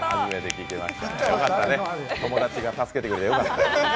友達が助けてくれてよかった。